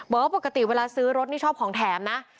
บอกว่าปกติเวลาซื้อรถนี่ชอบของแถมนะ